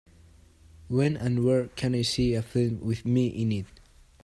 When and where can I see A Film with Me in It